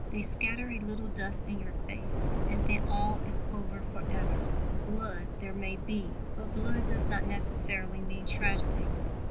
They scatter a little dust in your face; and then all is over for ever." Blood there may be, but blood does not necessarily mean tragedy.